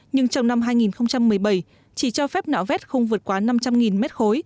nhưng trong năm hai nghìn một mươi bảy chỉ cho phép nạo vét không vượt quá năm trăm linh m ba